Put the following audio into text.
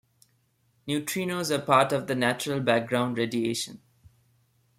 Neutrinos are part of the natural background radiation.